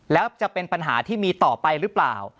แล้วจะเป็นปัญหาที่มีต่อไปหรือเปล่า